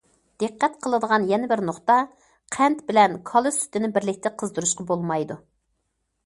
دىققەت قىلىدىغان يەنە بىر نۇقتا، قەنت بىلەن كالا سۈتىنى بىرلىكتە قىزدۇرۇشقا بولمايدۇ.